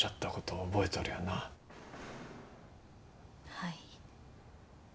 はい。